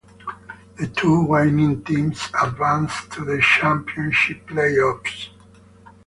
The two winning teams advanced to the championship playoffs.